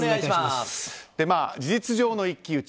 事実上の一騎打ち。